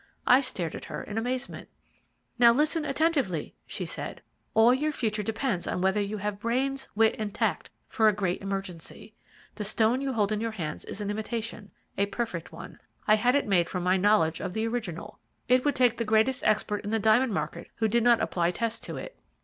I stared at her in amazement. "'Now, listen attentively,' she said. 'All your future depends on whether you have brains, wit, and tact for a great emergency. The stone you hold in your hand is an imitation, a perfect one. I had it made from my knowledge of the original. It would take in the greatest expert in the diamond market who did not apply tests to it.